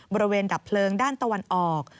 บริเวณดับเพลิงด้านตะวันออก